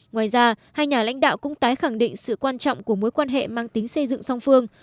ngoài ra hai nhà lãnh đạo cũng tái khẳng định sự quan trọng của mối quan hệ mang tính xây dựng song phương